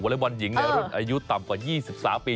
เวลาไลน์บอลหญิงอายุต่ำเกิด๒๒ปี